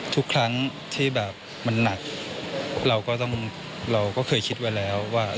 ทุกครั้งที่มันหนักเราก็เคยคิดไว้แล้วว่า